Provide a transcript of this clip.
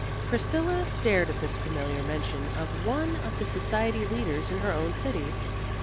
Priscilla stared at this familiar mention of one of the society leaders in her own city.